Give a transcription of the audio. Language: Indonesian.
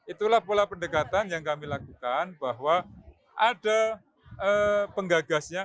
itulah pola pendekatan yang kami lakukan bahwa ada penggagasnya